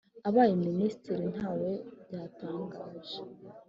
abaye minisitire ntawe byatangaje